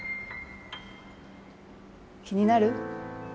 気になる？